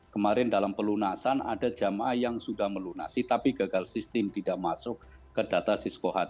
kemarin dalam pelunasan ada jemaah yang sudah melunasi tapi gagal sistem tidak masuk ke data siskohat